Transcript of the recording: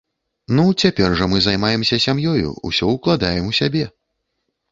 Ну, цяпер жа мы займаемся сям'ёю, усё ўкладаем у сябе.